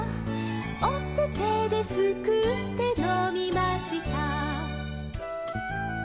「おててですくってのみました」